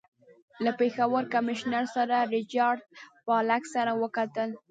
له پېښور کمیشنر سر ریچارډ پالک سره وکتل.